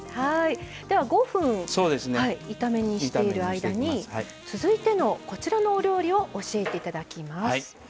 では５分炒め煮している間に続いてのこちらのお料理を教えて頂きます。